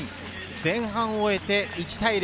前半を終えて１対０。